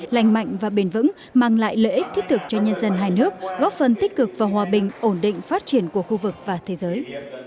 lành mạnh và bền vững mang lại lợi ích thiết thực cho nhân dân hai nước góp phần tích cực và hòa bình ổn định phát triển của khu vực và thế giới